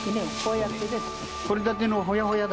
とれたてのほやほやだ。